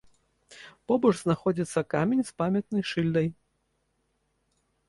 Побач знаходзіцца камень з памятнай шыльдай.